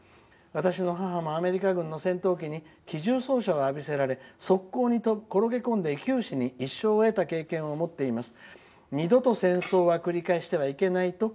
私の母もアメリカ軍の戦闘機に機銃を浴びせられ側溝に転がり込んで九死に一生を得た経験を持っています。